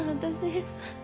私。